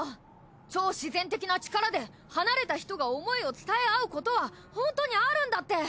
超自然的な力で離れた人が思いを伝え合うことはホントにあるんだって。